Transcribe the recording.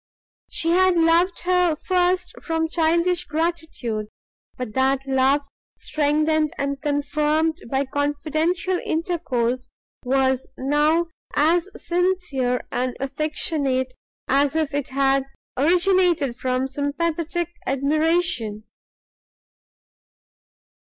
She had loved her first from childish gratitude; but that love, strengthened and confirmed by confidential intercourse, was now as sincere and affectionate as if it had originated from sympathetic admiration.